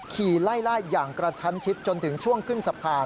ขี่ไล่ล่าอย่างกระชั้นชิดจนถึงช่วงขึ้นสะพาน